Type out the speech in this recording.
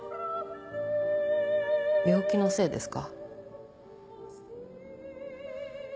病気のせいですか？